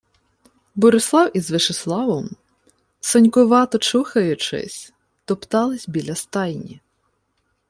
Борислав із Вишеславом, сонькувато чухаючись, топталися біля стайні.